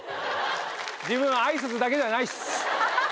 自分挨拶だけじゃないっす。